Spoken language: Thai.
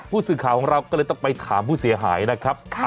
ผู้สื่อข่าวของเราก็เลยต้องไปถามผู้เสียหายนะครับ